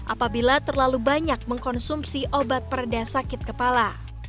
apabila terlalu banyak mengkonsumsi obat perda sakit kepala